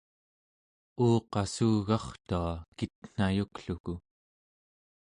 uuqassugartua kitnayukluku